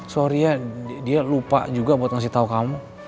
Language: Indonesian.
sorry ya dia lupa juga buat ngasih tau kamu